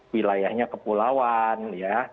wilayahnya kepulauan ya